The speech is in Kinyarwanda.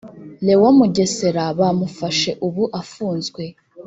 leon mugesera bamufashe ubu afunzwe